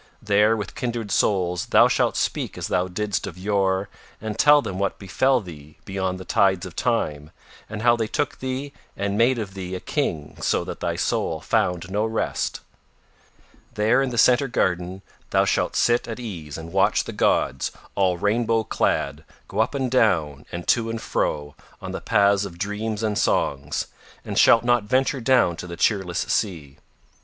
There with kindred souls thou shalt speak as thou didst of yore and tell them what befell thee beyond the tides of time and how they took thee and made of thee a King so that thy soul found no rest. There in the Centre Garden thou shalt sit at ease and watch the gods all rainbow clad go up and down and to and fro on the paths of dreams and songs, and shalt not venture down to the cheerless sea.